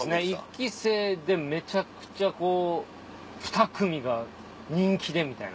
１期生でめちゃくちゃこう２組が人気でみたいな。